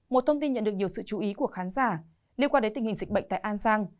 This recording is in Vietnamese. một thông tin nhận được nhiều sự chú ý của khán giả liên quan đến tình hình dịch bệnh tại an giang